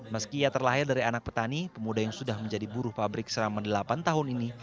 meski ia terlahir dari anak petani pemuda yang sudah menjadi buruh pabrik selama delapan tahun ini